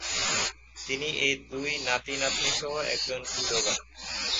তিনি দুই নাতি-নাতনিসহ একজন বিধবা।